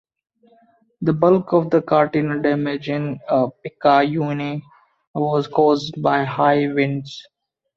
The bulk of the Katrina damage in Picayune was caused by high winds.